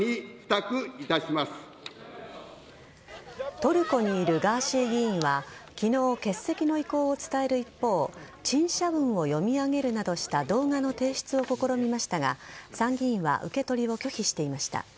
トルコにいるガーシー議員は昨日、欠席の意向を伝える一方陳謝文を読み上げるなどした動画の提出を試みましたが参議院は受け取りを拒否していました。